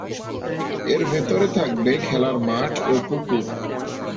এর ভেতরে থাকবে খেলার মাঠ ও পুকুর।